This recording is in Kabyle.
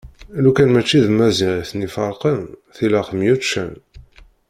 Lukan mačči d Maziɣ iten-iferqen tilaq myuččen.